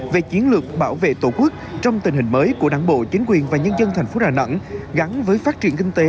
về chiến lược bảo vệ tổ quốc trong tình hình mới của đảng bộ chính quyền và nhân dân thành phố đà nẵng gắn với phát triển kinh tế